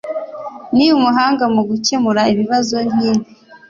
Ni umuhanga mu gukemura ibibazo nkibi.